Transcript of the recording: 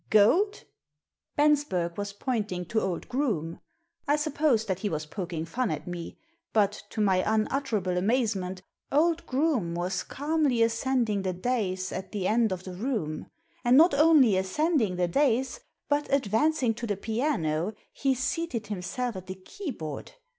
«Goadl" Bensberg was pointing to old Groome. I supposed that he was poking fun at me ; but, to my unutter able amazement, old Groome was calmly ascending the dais at the end of the room. And not only ascending the dais, but, advancing to the piano, he seated himself at the keyboard.